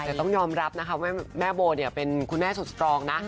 แต่ต้องยอมรับนะคะว่าแม่โบเนี่ยเป็นคุณแม่สุดสตรองนะ